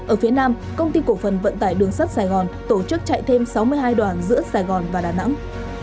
ở phía nam công ty cổ phần vận tải đường sắt sài gòn tổ chức chạy thêm sáu mươi hai đoàn giữa sài gòn và đà nẵng